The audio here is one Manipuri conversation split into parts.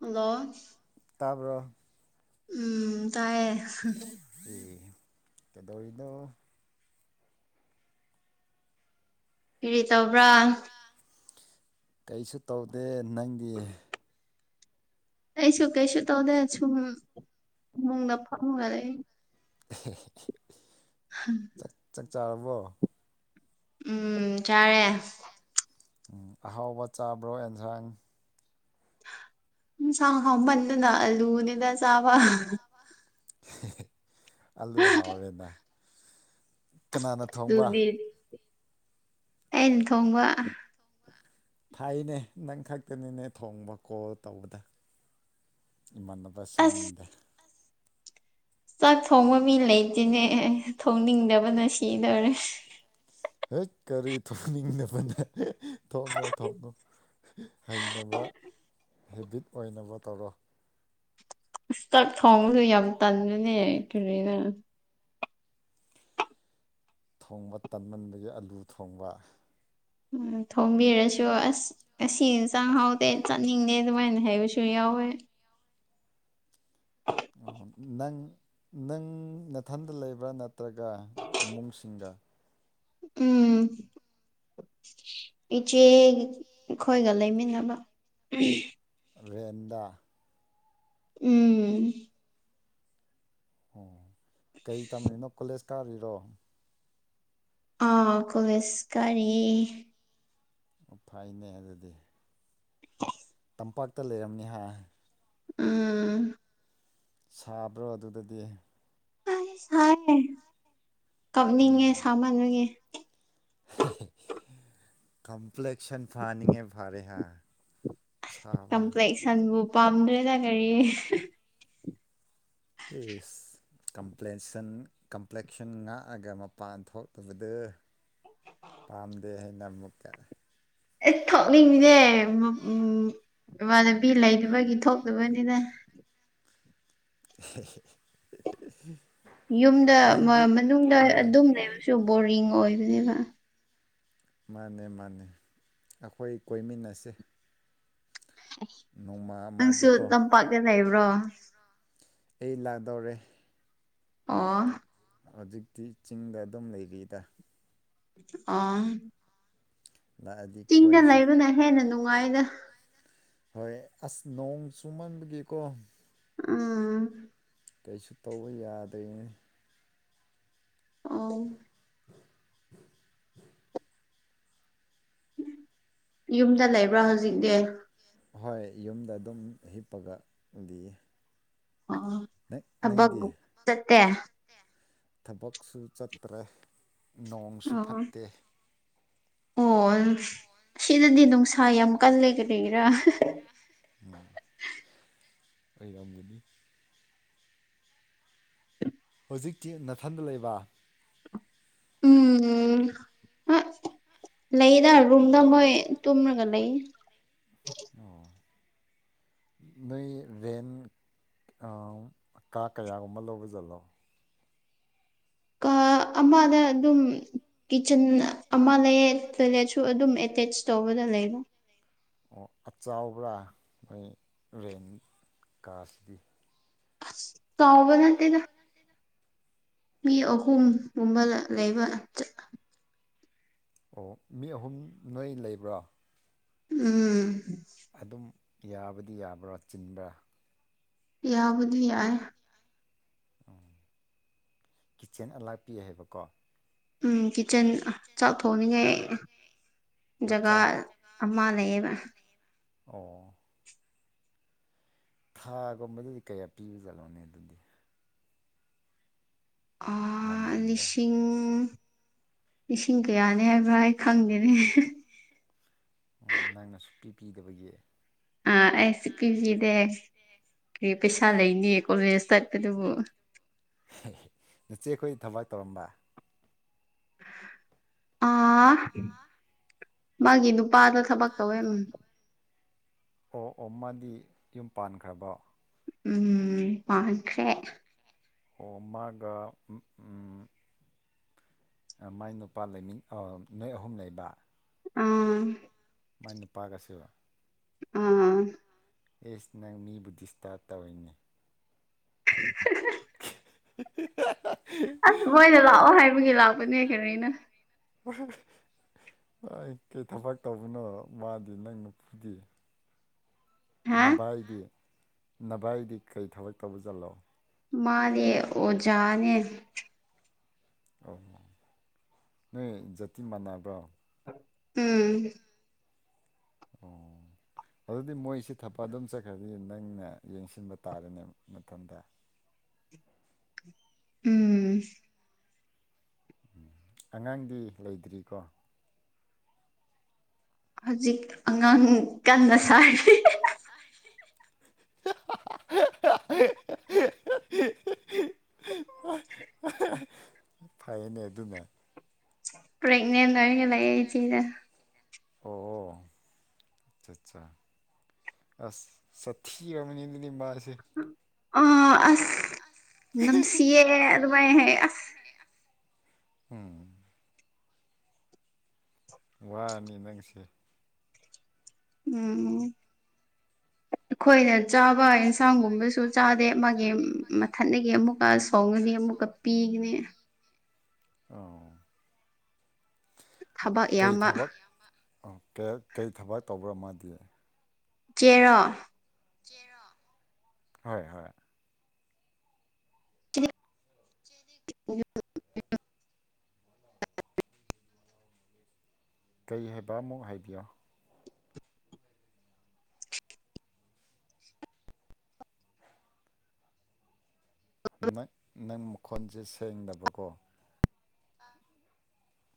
ꯍꯜꯂꯣ ꯇꯥꯕ꯭ꯔꯣ ꯎꯝ ꯇꯥꯏꯌꯦ ꯀꯗꯧꯔꯤꯅꯣ ꯀꯔꯤ ꯇꯧꯕ꯭ꯔꯥ ꯀꯩꯁꯨ ꯇꯧꯗꯦ ꯅꯪꯗꯤ ꯑꯩꯁꯨ ꯀꯩꯁꯨ ꯇꯧꯗꯦ ꯁꯨꯝ ꯏꯃꯨꯡꯗ ꯐꯝꯃꯒ ꯂꯩ꯫ [inaudible] ꯍꯝ ꯆꯥꯛ ꯆꯥꯛ ꯆꯥꯔꯕꯣ ꯎꯝ ꯆꯥꯔꯦ꯫ ꯎꯪ ꯑꯍꯥꯎꯕ ꯆꯥꯕ꯭ꯔꯣ ꯑꯦꯟꯖꯥꯡ ꯍꯦꯟꯁꯥꯡ ꯍꯥꯎꯃꯟꯗꯅ ꯑꯂꯨꯅꯤꯗꯥ ꯆꯥꯕ ꯑꯂꯨ ꯍꯥꯎꯔꯦꯅ ꯀꯅꯥꯅ ꯊꯣꯡꯕ? ꯑꯗꯨꯗꯤ ꯑꯩꯅ ꯊꯣꯡꯕ ꯐꯩꯅꯦ ꯅꯪ ꯈꯛꯇꯅꯤꯅꯦ ꯊꯣꯡꯕ ꯀꯣꯜ ꯇꯧꯕꯗ꯫ ꯑꯁ ꯏꯃꯥꯟꯅꯕꯁꯤꯡꯗ ꯆꯥꯛ ꯊꯣꯡꯕ ꯃꯤ ꯂꯩꯇꯦꯅꯦ ꯊꯣꯡꯅꯤꯡꯗꯕꯅ ꯁꯤꯗꯧꯔꯦ꯫ ꯍꯩꯏꯠ ꯀꯔꯤ ꯊꯣꯡꯅꯤꯡꯗꯕꯅꯦ ꯊꯣꯛꯉꯣ-ꯊꯣꯛꯉꯣ ꯍꯩꯅꯕ ꯍꯦꯕꯤꯠ ꯑꯣꯏꯅꯕ ꯇꯧꯔꯣ꯫ ꯆꯥꯛ ꯊꯣꯡꯕꯁꯨ ꯌꯥꯝ ꯇꯟꯕꯅꯦ ꯀꯔꯤꯅ ꯊꯣꯡꯕ ꯇꯝꯃꯟꯕꯒꯤ ꯑꯂꯨ ꯊꯣꯡꯕ ꯎꯝ ꯊꯣꯡꯕꯤꯔꯁꯨ ꯑꯁ ꯑꯁꯤ ꯍꯦꯟꯖꯥꯡ ꯍꯥꯎꯇꯦ ꯆꯥꯅꯤꯡꯗꯦ ꯑꯗꯨꯃꯥꯏꯅ ꯍꯥꯏꯕꯁꯨ ꯌꯥꯎ ꯌꯥꯎꯋꯦ ꯑꯣ ꯅꯪ-ꯅꯪ ꯅꯊꯟꯗ ꯂꯩꯕ꯭ꯔꯥ ꯅꯠ ꯅꯠꯇ꯭ꯔꯒ ꯏꯃꯨꯡꯁꯤꯡꯒ ꯎꯝ ꯏꯆꯦ ꯈꯣꯏꯒ ꯂꯩꯃꯤꯟꯅꯕ꯫ ꯂꯦꯟꯗ ꯎꯝ ꯑꯣ ꯀꯩ ꯇꯝꯔꯤꯅꯣ ꯀꯣꯂꯦꯖ ꯀꯥꯔꯤꯔꯣ ꯑꯥ ꯀꯣꯂꯦꯖ ꯀꯔꯤ ꯐꯩꯅꯦ ꯑꯗꯨꯗꯤ [unintelligible] ꯂꯝꯝꯄꯥꯛꯇ ꯂꯩꯔꯝꯅꯤ ꯍꯥꯏ ꯎꯝ ꯁꯥꯕ꯭ꯔꯣ ꯑꯗꯨꯗꯗꯤ ꯑꯩ ꯁꯥꯏꯦ ꯀꯞꯅꯤꯡꯉꯦ ꯁꯥꯃꯅꯨꯉꯦ ꯀꯝ ꯐ꯭ꯂꯦꯛꯁꯟ ꯐꯥꯅꯤꯡꯉꯦ ꯐꯔꯦ ꯍꯥꯏ ꯁꯥꯕꯅ ꯄꯝꯕ꯭ꯔꯦꯗ ꯀꯔꯤ ꯏꯁꯁ ꯀꯝꯄ꯭ꯂꯦꯟꯁꯟ ꯀꯝꯄ꯭ꯂꯦꯛꯁꯟ ꯉꯥꯛꯑꯒ ꯃꯄꯥꯟ ꯊꯣꯛꯇꯕꯗꯨ ꯄꯥꯝꯗꯦ ꯍꯥꯏꯅ ꯑꯃꯨꯛꯀ ꯑꯦ ꯊꯣꯛꯅꯤꯡꯉꯤꯅꯦ ꯎꯝ ꯏꯃꯅꯕꯤ ꯂꯩꯕꯒꯤ ꯊꯣꯛꯇꯕꯅꯤꯅ [unintelligible] ꯌꯨꯝꯗ ꯅꯪꯗꯤ ꯃꯅꯨꯡꯗ ꯑꯥ ꯑꯗꯨꯝ ꯂꯩꯕꯁꯨ ꯕꯣꯔꯤꯡ ꯑꯣꯏ ꯑꯗꯨꯅꯦꯕ ꯃꯥꯅꯦ ꯃꯥꯅꯦ ꯑꯩꯈꯣꯏ ꯀꯣꯏꯃꯤꯟꯅꯁꯦ ꯅꯣꯡꯃ ꯅꯪꯁꯨ ꯑꯃꯗꯤꯀꯣ ꯇꯝꯄꯥꯛꯀ ꯂꯩꯕ꯭ꯔꯣ ꯑꯩ ꯂꯥꯛꯗꯧꯣꯔꯦ ꯑꯣ ꯍꯧꯖꯤꯛꯇꯤ ꯆꯤꯡꯗ ꯑꯗꯨꯝ ꯂꯩꯔꯤꯗ ꯑꯥ ꯂꯥꯛꯑꯗꯤ ꯆꯤꯡꯅ ꯀꯣꯏꯁꯦ ꯂꯩꯕꯅ ꯍꯦꯟꯅ ꯅꯨꯡꯉꯥꯏꯅ ꯍꯣꯏ ꯑꯁ ꯅꯣꯡ ꯆꯨꯝꯃꯟꯕꯒꯤꯀꯣ ꯎꯝ ꯀꯩꯁꯨ ꯇꯧꯕ ꯌꯥꯗꯣꯏꯅꯦ ꯑ ꯌꯨꯝꯗ ꯂꯩꯕ꯭ꯔꯥ ꯍꯧꯖꯤꯛꯇꯤ ꯍꯣꯏ ꯌꯨꯝꯗ ꯑꯗꯨꯝ ꯍꯤꯞꯄꯒꯗꯤ ꯑꯣꯕ ꯆꯠꯇꯦ ꯊꯕꯛꯁꯨ ꯆꯠꯇ꯭ꯔꯦ ꯅꯣꯡꯁꯨ ꯐꯠꯇꯦ ꯍ ꯁꯤꯗꯗꯤ ꯅꯨꯡꯁꯥ ꯌꯥꯝ ꯀꯜꯂꯦ ꯀꯔꯤꯔꯥ ꯑꯩꯔꯝꯒꯗꯤ ꯍꯧꯖꯤꯛꯇꯤ ꯅꯥꯊꯟꯗ ꯂꯩꯕ ꯎꯝ ꯑ ꯂꯩꯗ ꯔꯨꯝꯗ ꯃꯣꯏ ꯇꯨꯝꯔꯒ ꯂꯩ ꯑꯣ ꯅꯣꯏꯦꯟ ꯀꯥ ꯀꯌꯥꯒꯨꯝꯕ ꯂꯧꯕ ꯆꯠꯂꯣ ꯀꯥ ꯑꯃꯗ ꯑꯗꯨꯝꯤꯆꯟ ꯑꯃ ꯂꯩ ꯇꯣꯏꯂꯦꯠꯁꯨ ꯑꯗꯨꯝ ꯑꯦꯇꯦꯆ ꯇꯧꯕꯗ ꯆꯂꯒ ꯑꯣ ꯑ ꯆꯥꯎꯕ꯭ꯔꯥ ꯃꯣꯏ ꯔꯦꯟ ꯀꯥꯁꯤꯗꯤ ꯀꯥꯎꯥꯎꯕꯅꯗꯦꯗ ꯃꯤ ꯑꯍꯨꯝꯒꯨꯝꯕ ꯂꯩꯕꯠ ꯑꯣ ꯃꯤ ꯑꯍꯨꯝ ꯅꯣꯏ ꯂꯩꯕ꯭ꯔꯥ ꯎꯝ ꯑꯗꯨꯝ ꯌꯥꯕꯗꯤ ꯌꯥꯕ꯭ꯔꯥ ꯆꯤꯟꯕ꯭ꯔꯥ ꯌꯥꯕꯨꯗꯂꯤ ꯌꯥ ꯎ ꯀꯤꯠꯆꯦꯟ ꯑꯂꯥꯛꯄꯤ ꯍꯥꯏꯕꯀꯣ ꯎꯝ ꯀꯤꯆꯟ ꯆꯥꯛꯊꯣꯛꯅꯤꯡꯉꯥꯏ ꯖꯒꯥ ꯃꯆꯥ ꯑꯃ ꯂꯩꯌꯦꯕ ꯑꯣ ꯊꯥꯒꯨꯝꯕꯗꯨꯗꯤ ꯀꯌꯥ ꯄꯤꯕ ꯆꯠꯂꯣꯅꯦ ꯑꯗꯨꯗꯤ ꯃꯃꯟꯗꯣ ꯂꯤꯁꯤꯡ ꯂꯤꯁꯤꯡ ꯀꯌꯥꯅꯤ ꯍꯥꯏꯕꯥꯏ ꯈꯪꯗꯦꯅꯤ ꯑꯣ ꯅꯪꯅ ꯁꯨꯛꯄꯤ ꯄꯤꯗꯕꯒꯤ ꯑ ꯔꯦꯁꯤꯄꯤꯤ ꯏꯗꯦ ꯀ ꯄꯩꯁꯥ ꯂꯩꯅꯤꯌꯦ ꯀꯣꯂꯦꯖꯇꯠꯄ ꯑꯗꯨꯕꯨ ꯅꯆꯦ ꯑꯩꯈꯣꯏ ꯊꯕꯛ ꯇꯧꯔꯝꯕ ꯑꯥ ꯃꯥꯒꯤ ꯅꯨꯄꯥꯗ ꯊꯕꯛ ꯇꯧꯋꯦ ꯑꯣ ꯑꯣ ꯃꯥꯗꯤ ꯌꯨꯝ ꯄꯥꯟꯈ꯭ꯔꯕꯣ ꯎꯝ ꯄꯥꯡꯁꯦ ꯑꯣ ꯃꯥꯒ ꯃꯥꯏ ꯅꯨꯄꯥ ꯂꯩꯃꯤ ꯅꯣꯏ ꯑꯍꯨꯝ ꯂꯩꯕ ꯑꯥ ꯃꯥꯏ ꯅꯨꯄꯥꯒꯁꯕ ꯑꯥ ꯑꯦꯁ ꯅꯪ ꯃꯤꯕꯨ ꯗꯤꯁꯇꯥꯔꯕ ꯇꯧꯔꯤꯅꯦ [unintelligible] [unintelligible] ꯑꯁ ꯃꯣꯏꯗ ꯂꯥꯛꯑꯣ ꯍꯥꯏꯕꯒꯤ ꯂꯥꯛꯄꯅꯦ ꯀꯩꯅꯣꯩꯅ ꯎ ꯑꯩ ꯀꯩ ꯊꯕꯛ ꯇꯧꯕꯅꯣ ꯃꯥꯗꯤ ꯅꯪ ꯅꯨꯄꯤꯨꯗꯤ ꯍꯥ ꯅꯚꯏꯗꯤ ꯅꯚꯏꯗꯤ ꯀꯔꯤ ꯊꯕꯛ ꯇꯧꯕ ꯆꯜꯂꯣ ꯃꯥꯅꯦꯦ ꯑꯣꯖꯅꯦ ꯑ ꯅꯣꯏ ꯖꯥꯇꯤ ꯃꯥꯟꯅꯕ꯭ꯔꯣ ꯎꯝ ꯑꯣ [unintelligible] ꯑꯗꯨꯗꯤ ꯃꯣꯏꯁꯤ ꯊꯛꯄ ꯑꯗꯨꯝ ꯆꯠꯈ꯭ꯔꯗꯤ ꯅꯪꯅ ꯌꯦꯡꯁꯤꯟꯕ ꯇꯥꯔꯦꯅꯦ ꯃꯇꯝꯗ ꯎꯝ ꯎꯝ ꯑꯉꯥꯡꯗꯤ ꯂꯩꯇ꯭ꯔꯤꯀꯣ ꯍꯧꯖꯤꯛ ꯑꯉꯥꯡ ꯀꯟꯅ ꯁꯥꯔꯤ [unintelligible] ꯑꯣ ꯐꯩꯅꯦ ꯑꯗꯨꯅꯦ ꯄꯒꯅꯦꯅꯤ ꯂ ꯆꯗ ꯑꯆꯥ ꯑꯆꯥ ꯑ ꯁꯊꯤ ꯔꯃꯅꯤꯗꯅꯤꯃꯔ ꯑ ꯑꯁ ꯝꯁꯤꯌꯦ ꯑꯗꯨꯃꯥꯏ ꯑꯁ ꯎꯝ ꯋꯥꯅꯤ ꯅꯪꯁꯦ ꯎꯝ ꯑꯩꯈꯣꯏꯅ ꯆꯥꯕ ꯑꯦꯟꯁꯥꯡꯒꯨꯝꯕꯁꯨ ꯆꯥꯗꯦ ꯃꯥ ꯃꯊꯟꯗꯒꯤ ꯑꯃꯨꯛꯀ ꯍꯣꯡꯒꯅꯤ ꯑꯃꯨꯛꯀ ꯄꯤꯒꯅꯤ ꯑ ꯊꯕꯛ ꯀꯩ ꯏꯌꯥꯝꯕ ꯊꯕꯛ ꯑ ꯀꯩ ꯊꯕꯛ ꯇꯧꯕ꯭ꯔꯥ ꯃꯥꯗꯤ ꯆꯦꯔꯣ ꯍꯣꯏ ꯍꯣꯏ [unintelligible] ꯀꯔꯤ ꯍꯥꯏꯕ ꯑꯃꯨꯛ ꯍꯥꯏꯕꯤꯌꯣ ꯅꯪ ꯅꯪ ꯃꯈꯣꯟꯁꯦ ꯁꯦꯡꯗꯕꯀꯣ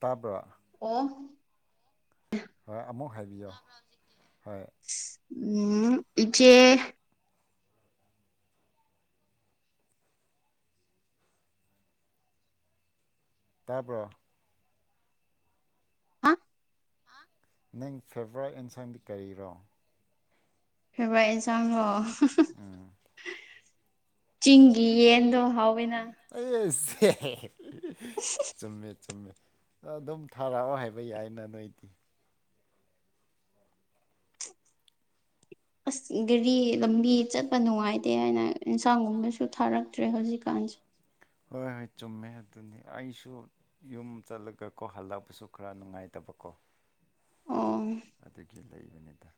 ꯇꯥꯕ꯭ꯔꯣ ꯑꯣ ꯌꯣ ꯍꯣꯏ ꯎꯝ ꯏꯆꯦ ꯇꯥꯕ꯭ꯔꯣ ꯑ ꯅꯪ ꯐꯦꯕ꯭ꯔꯥꯏꯠ ꯑꯦꯟꯁꯥꯡꯗꯤ ꯀꯔꯤꯔꯣ ꯐꯦꯕꯣꯔꯥꯏꯠ ꯏꯟꯁꯥꯡꯂꯣ ꯎꯝ ꯆꯤꯒꯤ ꯌꯦꯡ ꯗꯣ ꯍꯥꯎꯋꯦꯅ ꯑꯩꯁ ꯆꯨꯝꯃꯦ ꯆꯨꯝꯃꯦ ꯑꯗꯨꯝ ꯊꯥꯔꯛꯑꯣ ꯍꯥꯏꯕ ꯌꯥꯏꯅ ꯅꯣꯏꯗꯤ ꯑꯁ ꯒꯦꯔꯤ ꯂꯝꯕꯤ ꯆꯠꯄ ꯅꯨꯡꯉꯥꯏꯇꯦ ꯍꯥꯏꯅ ꯏꯟꯁꯥꯡꯒꯨꯝꯕꯁꯨ ꯊꯥꯔꯛꯇ꯭ꯔꯦ ꯍꯧꯖꯤꯛꯀꯥꯟ [unintelligible] ꯍꯣꯏ ꯍꯣꯏ ꯆꯨꯝꯃꯦ ꯑꯗꯨꯅꯤ ꯑꯩꯁꯨ ꯌꯨꯝ ꯆꯠꯂꯒ ꯀꯣ ꯍꯜꯂꯕꯁꯨ ꯈꯔ ꯅꯨꯡꯉꯥꯏꯇꯕ ꯀꯣ ꯑꯣ ꯑꯗꯨꯒꯤ ꯂꯩꯕꯅꯤꯗ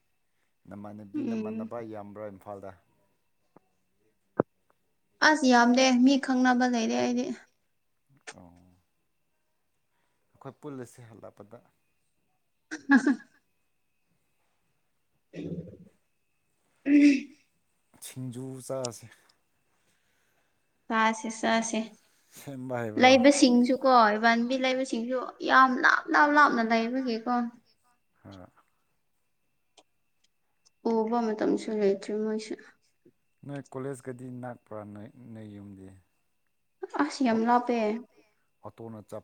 ꯅꯃꯥꯟꯅꯕꯤ ꯎꯝ ꯅꯃꯥꯟꯅꯕ ꯌꯥꯝꯕ꯭ꯔꯥ ꯏꯝꯐꯥꯜꯗ ꯑꯁ ꯌꯥꯝꯗꯦ ꯃꯤ ꯈꯪꯅꯕ ꯂꯩꯔꯦ ꯑꯩꯗꯤ [inaudible] ꯑꯩꯈꯣꯏ ꯄꯨꯜꯂꯁꯦ ꯍꯜꯂꯛꯄꯗ [unintelligible] [unintelligible] ꯁꯤꯡꯖꯨ ꯆꯥꯥꯁꯦ ꯆꯥꯁꯦ ꯆꯥꯁꯦ ꯁꯦꯝꯕ ꯍꯥꯏꯕ꯭ꯔꯣ ꯂꯩꯕꯁꯤꯡꯁꯨꯀꯣ ꯏꯕꯥꯟꯕꯤ ꯂꯩꯕꯁꯤꯡꯁꯨ ꯌꯥꯝ ꯂꯥꯞ ꯂꯥꯞ ꯂꯥꯞꯅ ꯂꯩꯏꯕꯒꯤꯀꯣ [unintelligible] ꯄꯨꯕ ꯃꯇꯝꯁꯨ ꯂꯩꯇ꯭ꯔꯦ ꯃꯣꯏꯁꯤ ꯅꯣꯏ ꯀꯣꯂꯦꯖꯀꯗꯤ ꯅꯥꯛꯄ꯭ꯔꯥ ꯅꯣꯏ ꯌꯨꯝꯗꯦ ꯑꯁ ꯌꯥꯝ ꯂꯥꯞꯄꯦ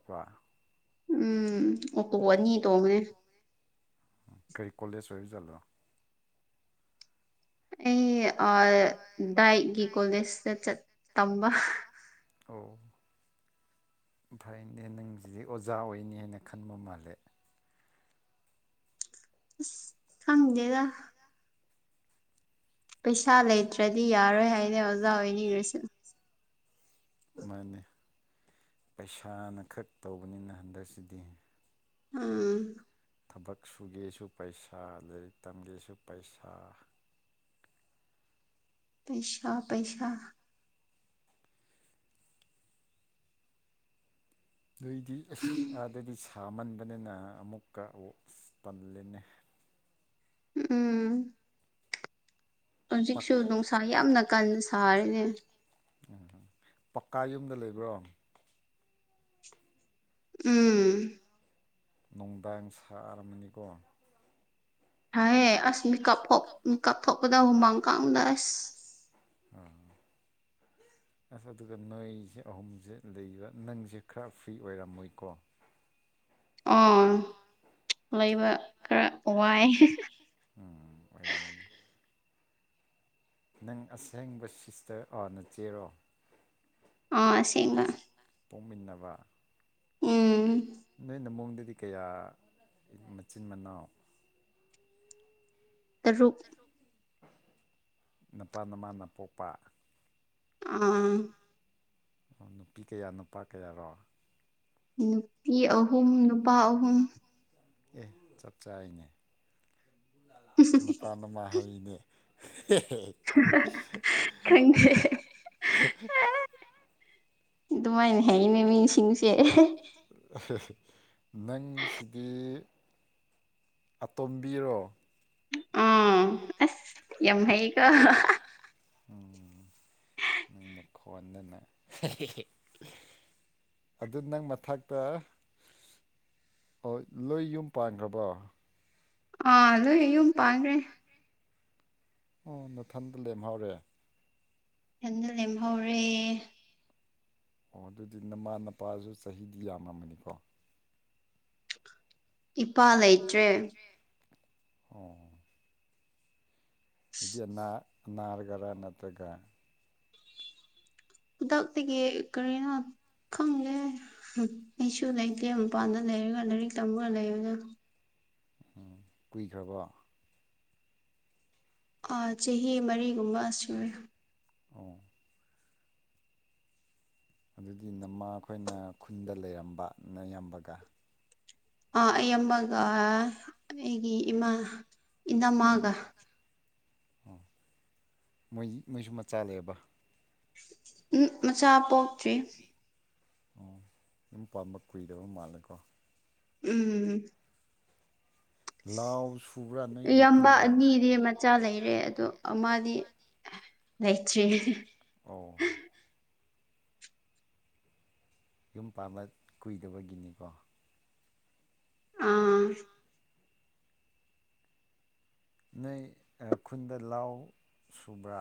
ꯋꯥ ꯎꯝ ꯑꯣꯇꯣ ꯑꯅꯤ ꯇꯣꯡꯉꯦ [unintelligible] ꯑꯩ ꯑ ꯗꯥꯏꯒꯤ ꯀꯣꯂꯦꯖꯇ ꯆꯠ ꯇꯝꯕ ꯑꯣ ꯐꯩꯅꯦ ꯅꯪꯁꯤꯗꯤ ꯑꯣꯖꯥ ꯑꯣꯏꯅꯤ ꯍꯥꯏꯅ ꯈꯟꯕ ꯃꯥꯜꯂꯦ ꯑꯁ ꯈꯪꯗꯦꯗ ꯄꯩꯁꯥ ꯂꯩꯇ꯭ꯔꯗꯤ ꯌꯥꯔꯣꯏ ꯍꯥꯏꯅꯦ ꯑꯣꯖꯥ ꯑꯣꯏꯅꯤꯡꯔꯨꯁꯨ ꯃꯥꯅꯦ ꯄꯩꯁꯥꯅ ꯈꯛ ꯇꯧꯕꯅꯤꯅ ꯍꯟꯗꯛꯁꯤꯗꯤ ꯑ ꯊꯕꯛ ꯁꯨꯒꯦꯁꯨ ꯄꯩꯁꯥ ꯂꯥꯏꯔꯤꯛ ꯇꯝꯒꯦꯁꯨ ꯄꯩꯁꯥ ꯄꯩꯁꯥ ꯄꯩꯁꯥ ꯅꯣꯏꯗꯤ ꯑꯁ ꯑꯥꯗꯗꯤ ꯁꯥꯝꯃꯟꯕꯅꯤꯅ ꯑꯃꯨꯛꯀ ꯇꯜꯂꯤꯅꯤ ꯎꯝ [inaudible] ꯍꯧꯖꯤꯛꯁꯨ ꯅꯨꯡꯁꯥ ꯌꯥꯝꯅ ꯀꯟꯅ ꯁꯥꯔꯤꯅꯦ ꯎꯝ ꯄꯀꯥ ꯌꯨꯝꯗ ꯂꯩꯕ꯭ꯔꯣ ꯎꯝ [inaudible] [unintelligible] ꯅꯨꯡꯗꯥꯡ ꯁꯥꯔꯝꯃꯅꯤꯀꯣ ꯍꯥꯏꯑꯦ ꯑꯁ ꯃꯦꯀꯞ ꯊꯣꯛ ꯃꯤꯦꯀꯞ ꯊꯣꯛꯄꯗ ꯍꯨꯃꯥꯡ ꯀꯥꯡꯗ ꯑꯁ [unintelligible] [inaudible] ꯑꯁ ꯑꯗꯨꯒ ꯅꯣꯏꯁꯦ ꯑꯍꯨꯝꯁꯦ ꯂꯩꯕ ꯅꯪꯁꯦ ꯈꯔ ꯐ꯭ꯔꯤ ꯑꯣꯏꯔꯝꯃꯣꯏꯀꯣ ꯑ ꯂꯩꯕ ꯈꯔ ꯋꯥꯏ ꯎꯝ ꯑꯣꯏꯔꯃꯅꯤ ꯅꯪ ꯑꯁꯦꯡꯕ ꯁꯤꯁꯇꯔ ꯑꯥ ꯅ ꯆꯦꯔꯣ ꯑꯥ ꯁꯤꯡꯕ ꯄꯣꯛꯃꯤꯟꯅꯕ ꯎꯝ ꯅꯣꯏꯅ ꯃꯕꯣꯡꯗꯨꯗꯤ ꯀꯌꯥ ꯃꯆꯤꯟ ꯃꯅꯥꯎ ꯇꯔꯨꯛ ꯅꯄꯥ ꯅꯃꯥꯅ ꯄꯣꯛꯄ ꯑꯥ ꯑꯣ ꯅꯨꯄꯤ ꯀꯌꯥ ꯅꯨꯄꯥ ꯀꯌꯥꯔꯣ ꯅꯨꯄꯤ ꯑꯍꯨꯝ ꯅꯨꯄꯥ ꯑꯍꯨꯝ ꯑꯦ ꯆꯞ ꯆꯥꯏꯅꯦ ꯃꯄꯥ ꯃꯥꯃꯥ ꯍꯩꯅꯦ ꯍ ꯈꯪꯗꯦ [unintelligible] [inaudible] ꯑꯗꯨꯃꯥꯏꯅ ꯍꯥꯏꯅꯦ ꯃꯤꯁꯤꯡꯁꯦ ꯅꯪꯁꯤꯗꯤ ꯑꯇꯣꯝꯕꯤꯔꯣ ꯎꯝ ꯑꯁ ꯌꯥꯝ ꯍꯩꯀꯣ ꯅꯪꯅ ꯈꯣꯟꯗꯅ ꯑꯗꯨ ꯅꯪ ꯃꯊꯛꯇ ꯂꯣꯏ ꯌꯨꯝ ꯄꯥꯟꯈ꯭ꯔꯕ ꯑ ꯑꯣ ꯑꯨꯝ ꯄꯥ꯭ꯔꯦ ꯑꯣ ꯃꯊꯟꯗ ꯂꯦꯝꯍꯧꯔꯦ ꯌꯥꯝꯟꯅ ꯂꯦꯝꯍꯧꯔꯦ ꯑꯣ ꯑꯗꯨꯗꯤ ꯅꯃꯥ ꯅꯄꯥꯁꯨ ꯆꯍꯤꯗꯤ ꯌꯥꯝꯃꯃꯅꯤꯀꯣ ꯏꯄꯥ ꯂꯩꯇ꯭ꯔꯦ ꯑꯣ [unintelligible] [inaudible] ꯍꯥꯏꯗꯤ ꯅꯥꯔꯒꯔꯥ ꯅꯠꯇ꯭ꯔꯒ ꯈꯨꯗꯛꯇꯒꯤ ꯀꯔꯤꯅ ꯈꯪꯗꯦ ꯑꯩꯁꯨ ꯂꯩꯇꯦ ꯃꯄꯥꯟꯗ ꯂꯩꯔꯒ ꯂꯥꯏꯔꯤꯛ ꯇꯝꯃꯒ ꯂꯩꯔꯅ ꯎꯝ ꯀꯨꯏꯈ꯭ꯔꯕꯣ ꯆꯍꯤ ꯃꯔꯤꯒꯨꯝꯕ ꯁꯨꯔꯦ ꯑꯣ ꯑꯗꯨꯒꯤ ꯅꯃꯥ ꯑꯩꯈꯣꯏꯅ ꯈꯨꯟꯗ ꯂꯩꯔꯝꯕꯅꯌꯥꯝꯕꯒ ꯑ ꯑꯩꯃꯒ ꯑꯩꯒꯤ ꯏꯃꯥ ꯏꯅꯝꯃꯥꯒ ꯑꯣ ꯃꯣꯏ ꯃꯣꯏꯁꯨ ꯃꯆꯥꯂꯦꯕ ꯃꯆꯥ ꯄꯣꯛꯇ꯭ꯔꯤ ꯑꯣ ꯌꯨꯝ ꯄꯥꯝꯕ ꯀꯨꯏꯗꯕ ꯃꯥꯜꯂꯦꯀꯣ ꯎꯝ ꯂꯥꯎ ꯁꯨꯕ꯭ꯔꯥ ꯅꯣꯏꯒꯤ ꯌꯥꯝꯕ ꯈꯨꯟꯗ ꯑꯅꯤꯗꯤ ꯃꯆꯥ ꯂꯩꯔꯦ ꯑꯗꯣ ꯑꯃꯗꯤ ꯉꯩꯇ꯭ꯔꯤ ꯑꯣ [inaudible] ꯌꯨꯝ ꯄꯥꯟꯕꯥꯂ ꯀꯨꯏꯗꯕꯒꯤꯅꯤꯀꯣ ꯑꯥ [unintelligible] [inaudible] ꯅꯣꯏ ꯈꯨꯟꯗ ꯂꯥꯎ ꯁꯨꯕ꯭ꯔꯥ